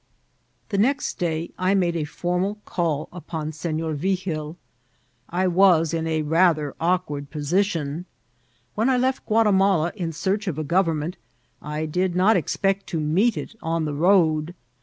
The next day I made a formal call upon Senor Vigil. I was in a rather awkward position. When I left Gua timala in search of a government, I did not expect to meet it on the road.